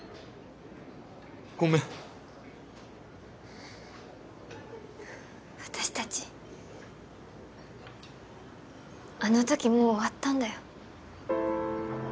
ごめん私達あの時もう終わったんだよ